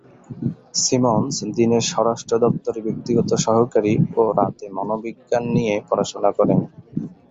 Simmons দিনে স্বরাষ্ট্র দপ্তরে ব্যক্তিগত সহকারী ও রাতে মনোবিজ্ঞান নিয়ে পড়াশোনা করেন।